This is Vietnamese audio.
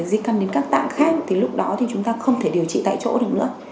di căn đến các tạng khác thì lúc đó thì chúng ta không thể điều trị tại chỗ được nữa